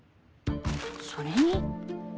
それに